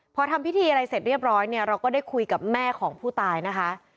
พอทำพิธีอะไรเสร็จเรียบร้อยเนี่ยเราก็ได้คุยกับแม่ของผู้ตายนะคะ